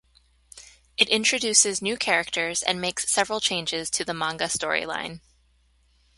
It introduces new characters and makes several changes to the manga story line.